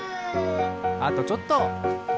あとちょっと！